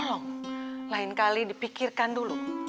tolong lain kali dipikirkan dulu